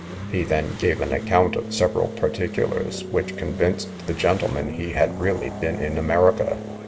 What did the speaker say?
He then gave an account of several particulars, which convinced the gentlemen he had really been in America.